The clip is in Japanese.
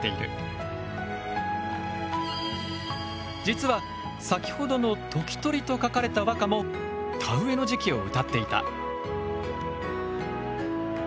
実は先ほどの時鳥と書かれた和歌も田植えの時期を歌っていた。